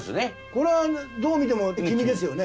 これはどう見ても黄身ですよね。